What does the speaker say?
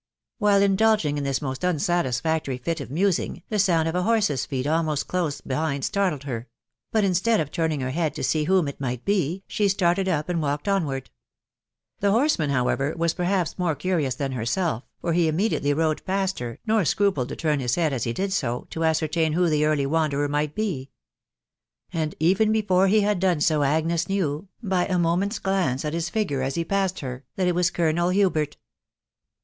While indulging in this most unsatisfactory fit of musing, the sound of a horse's feet almost close behind startled her ; but instead of turning her head to see whom it might be, she started up, and walked onward. The hoTsemaajYKNwrct, THE WIDOW BARNABY. 185 perhaps more curious t*ian herself, for he immediately rode past her, nor scrupled to turn his head as he did so, to ascer tain who the early wanderer might be. But even before he had done so Agnes knew, by a moment's glance at his figure as he passed her, that it was Colonel Hubert. He